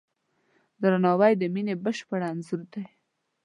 درناوی د مینې بشپړ انځور دی.